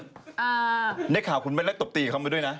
เอ่อนี่ข่าวคุณไปเล่นตบตีกับเขามาด้วยนะ